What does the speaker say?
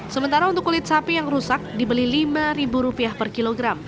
sementara untuk kulit sapi yang rusak dibeli lima ribu rupiah per kilogram